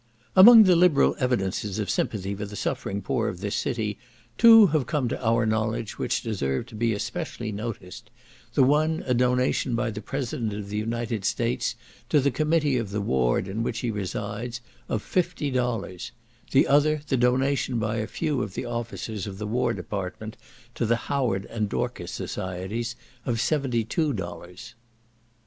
"Among the liberal evidences of sympathy for the suffering poor of this city, two have come to our knowledge which deserve to be especially noticed: the one a donation by the President of the United States to the committee of the ward in which he resides of fifty dollars; the other the donation by a few of the officers of the war department to the Howard and Dorcas Societies, of seventy two dollars."